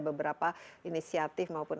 beberapa inisiatif maupun